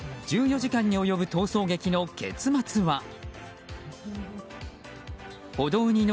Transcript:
１４時間に及ぶ逃走劇の結末は。